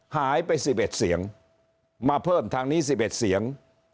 หายไป๑๑เสียงมาเพิ่มทางนี้๑๑เสียง